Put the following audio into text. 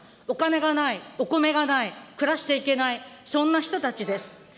お金がない、お米がない、暮らしていけない、そんな人たちです。